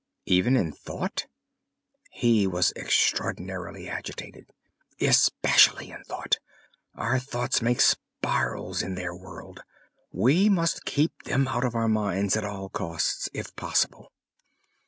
"Even in thought?" He was extraordinarily agitated. "Especially in thought. Our thoughts make spirals in their world. We must keep them out of our minds at all costs if possible."